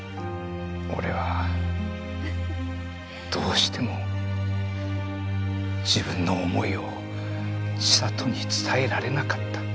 俺はどうしても自分の思いを千里に伝えられなかった。